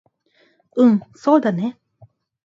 うんそうだね